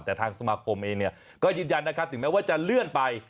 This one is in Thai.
แต่ทางสมาคมเองเนี่ยก็ยืนยันนะครับถึงแม้ว่าจะเลื่อนไป